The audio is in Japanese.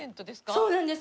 そうなんです。